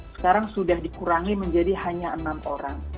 sekarang sudah dikurangi menjadi hanya enam orang